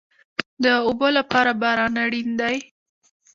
د اوبو لپاره باران اړین دی